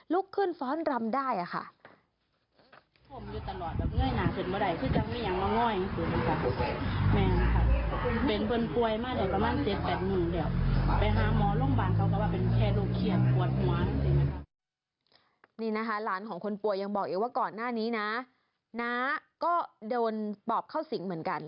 ลุกขึ้นฟ้อนรำได้ค่ะ